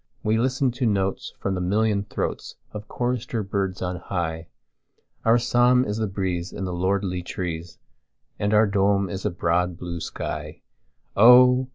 We listen to notes from the million throatsOf chorister birds on high, Our psalm is the breeze in the lordly trees, And our dome is the broad blue sky, Oh!